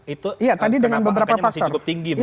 itu kenapa angkanya masih cukup tinggi begitu ya